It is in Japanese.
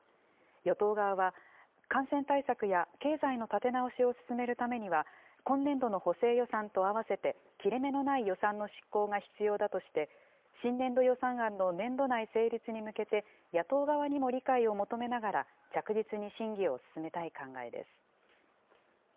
与党側は、感染対策や経済の立て直しを進めるためには、今年度の補正予算と合わせて切れ目のない予算の執行が必要だとして、新年度予算案の年度内成立に向けて野党側にも理解を求めながら、着実に審議を進めたい考えです。